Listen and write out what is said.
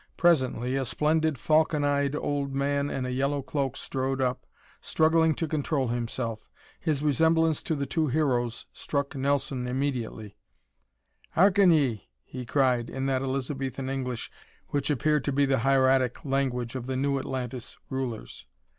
Presently a splendid falcon eyed old man in a yellow cloak strode up, struggling to control himself. His resemblance to the two Heroes struck Nelson immediately. "Harken ye," he cried, in that Elizabethan English which appeared to be the hieratic language of the New Atlantis' rulers.